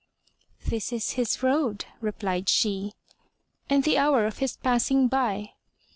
"This is his road," replied she, "and the hour of his passing by."